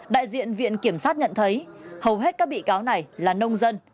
đại diện viện kiểm sát nhận thấy hầu hết các bị cáo này là nông dân